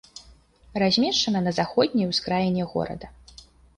Размешчана на заходняй ускраіне горада.